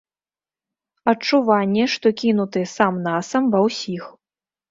Адчуванні, што кінуты сам-насам, ва ўсіх.